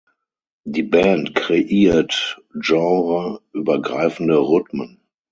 Die Band kreiert genre-übergreifende Rhythmen.